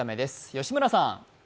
吉村さん。